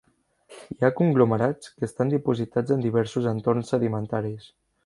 Hi ha conglomerats que estan dipositats en diversos entorns sedimentaris.